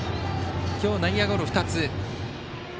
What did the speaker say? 今日、内野ゴロ２つ。